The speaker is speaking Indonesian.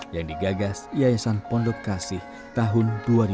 yang digagas yayasan pondok kasih tahun dua ribu dua